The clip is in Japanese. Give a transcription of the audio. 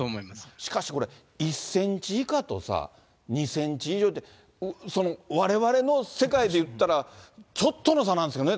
しかしこれ、１センチ以下とさ、２センチ以上って、われわれの世界でいったら、ちょっとの差なんですけどね。